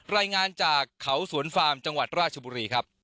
รายงานจากเขาสวนฟาร์มจังหวัดราชบุรีครับ